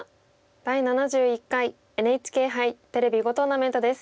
「第７１回ＮＨＫ杯テレビ囲碁トーナメント」です。